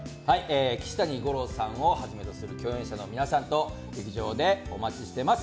岸谷五朗さんをはじめとする共演者の皆さんと劇場でお待ちしてます。